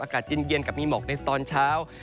อากาศเย็นกับมีหมอกในตอนเช้า